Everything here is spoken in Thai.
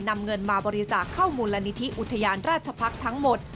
นำเงินมาบริจาคเข้ามูลนิธิอุทยานราชพักษ์ทั้งหมด